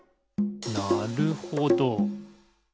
なるほど。